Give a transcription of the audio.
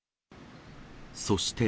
そして。